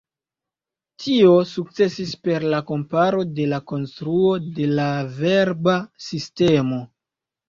Tio sukcesis per la komparo de la konstruo de la verba sistemo.